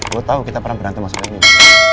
lo tau kita pernah berantem masalah ini bi